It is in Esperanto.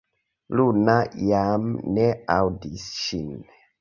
Runa jam ne aŭdis ŝin.